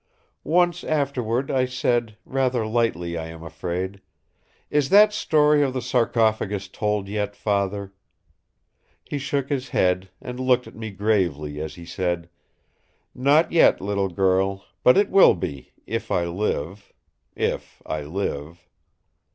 Once afterward I said, rather lightly I am afraid: 'Is that story of the sarcophagus told yet, Father?' He shook his head, and looked at me gravely as he said: 'Not yet, little girl; but it will be—if I live—if I live!